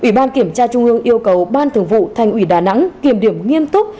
ủy ban kiểm tra trung ương yêu cầu ban thường vụ thành ủy đà nẵng kiểm điểm nghiêm túc